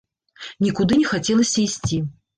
Нікуды не хацелася ісці.